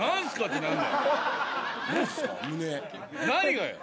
何がよ？